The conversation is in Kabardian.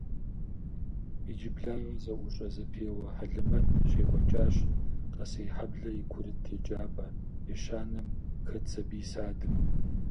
Иджыблагъэ зэIущIэ-зэпеуэ хьэлэмэт щекIуэкIащ Къэсейхьэблэ и курыт еджапIэ ещанэм хэт сабий садым.